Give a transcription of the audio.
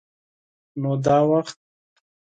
_نو دا وخت؟